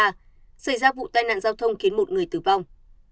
xảy ra vụ tai nạn giao thông khiến một người tử vong